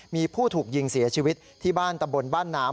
มีผู้ถูกยิงเสียชีวิตที่บ้านตำบลบ้านน้ำ